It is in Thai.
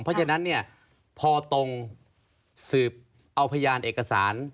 เพราะฉะนั้นเนี่ยพอตรงสืบเอาพยานเอกสาร